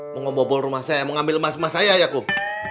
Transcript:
mau ngobrol rumah saya mau ngambil emas emas saya ya kum